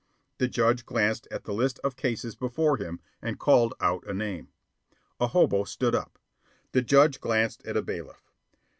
The judge glanced at the list of cases before him and called out a name. A hobo stood up. The judge glanced at a bailiff.